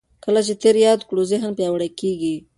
کله چې تېر یاد کړو ذهن پیاوړی کېږي.